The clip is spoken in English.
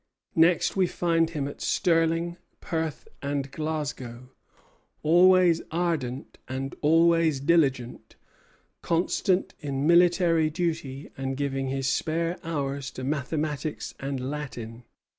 Next we find him at Stirling, Perth, and Glasgow, always ardent and always diligent, constant in military duty, and giving his spare hours to mathematics and Latin.